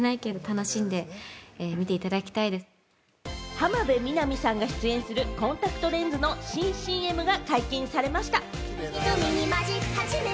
浜辺美波さんが出演するコンタクトレンズの新ＣＭが解禁されました。